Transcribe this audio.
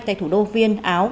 tại thủ đô viên áo